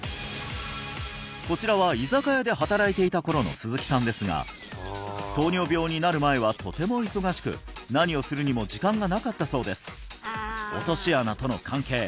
こちらは居酒屋で働いていた頃の鈴木さんですが糖尿病になる前はとても忙しく何をするにも時間がなかったそうです落とし穴との関係